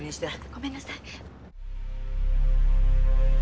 ごめんなさい。